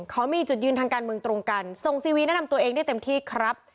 มีจุดยืนทางการเมืองตรงกันส่งซีวีแนะนำตัวเองได้เต็มที่ครับ